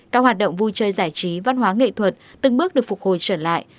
các hoạt động vui chơi giải trí văn hóa nghệ thuật từng bước được phục hồi trở lại